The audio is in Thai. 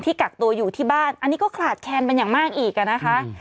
กักตัวอยู่ที่บ้านอันนี้ก็ขลาดแคนเป็นอย่างมากอีกอ่ะนะคะ